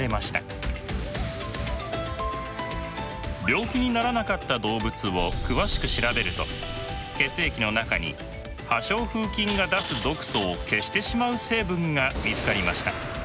病気にならなかった動物を詳しく調べると血液の中に破傷風菌が出す毒素を消してしまう成分が見つかりました。